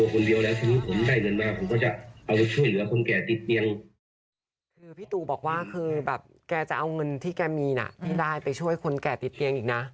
คือพี่ตูบอกว่าคือแบบแกจะเอาเงินที่แกมีน่ะให้ได้ไปช่วยคนแก่ติดเตียงอีกนะ